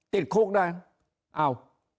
ติดคุกนะ